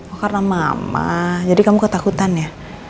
oh karena mama jadi kamu ketakutan ya